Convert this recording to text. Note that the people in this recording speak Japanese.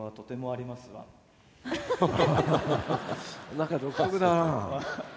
何か独特だな。